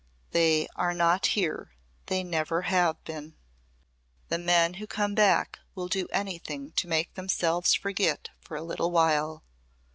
"They are not here they never have been. The men who come back will do anything to make themselves forget for a little while.